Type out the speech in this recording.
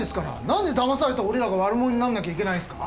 なんでだまされた俺らが悪者にならなきゃいけないんですか！？